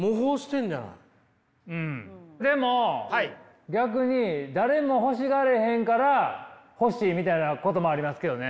でも逆に誰も欲しがれへんから欲しいみたいなこともありますけどね。